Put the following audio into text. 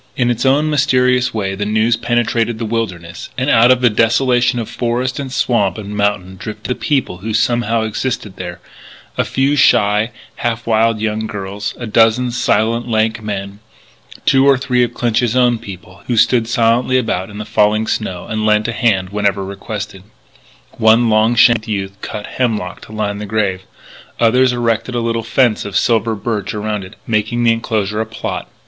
In its own mysterious way the news penetrated the wilderness; and out of the desolation of forest and swamp and mountain drifted the people who somehow existed there a few shy, half wild young girls, a dozen silent, lank men, two or three of Clinch's own people, who stood silently about in the falling snow and lent a hand whenever requested. One long shanked youth cut hemlock to line the grave; others erected a little fence of silver birch around it, making of the enclosure a "plot."